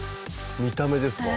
見た目ですか？